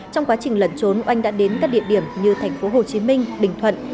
trong quá trình lẩn trốn oanh đã đến các địa điểm như thành phố hồ chí minh bình thuận